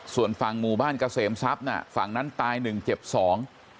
ส่วนฝั่งหมู่บ้านเกษมทรัพย์น่ะฝั่งนั้นตายหนึ่งเจ็บสอง